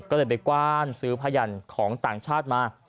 ก็เลยไปกว้านซื้อพยันของต่างชาติมา